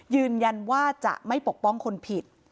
ยืนยันว่าจะไม่ปกป้องคนผิด